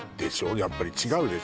やっぱり違うでしょう？